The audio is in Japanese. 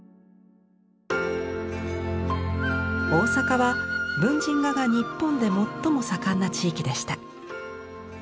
大阪は文人画が日本で最も盛んな地域でした。